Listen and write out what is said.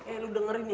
eh lo dengerin ya ya